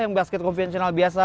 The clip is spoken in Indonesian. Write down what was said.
yang basket konvensional biasa